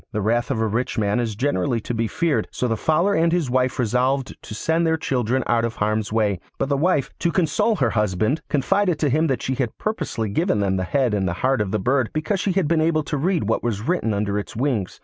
The wrath of a rich man is generally to be feared, so the Fowler and his wife resolved to send their children out of harm's way; but the wife, to console her husband, confided to him that she had purposely given them the head and heart of the bird because she had been able to read what was written under its wings.